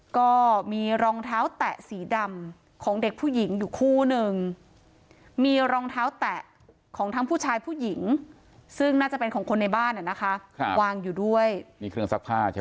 ก็มีรองเท้าแตะสีดำของเด็กผู้หญิงอยู่คู่นึงมีรองเท้าแตะของทั้งผู้ชายผู้หญิงซึ่งน่าจะเป็นของคนในบ้านอ่ะนะคะวางอยู่ด้วยมีเครื่องซักผ้าใช่ไหม